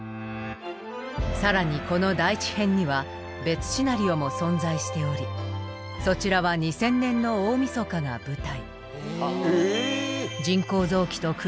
更にこの「大地編」には別シナリオも存在しておりそちらは２０００年の大みそかが舞台。